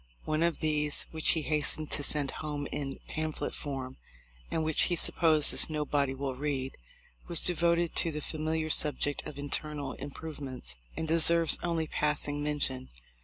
One of these, which he hastened to send home in pamphlet form, and which he supposes "nobody will read," was devoted to the familiar subject of internal improvements, and deserves only passing mention.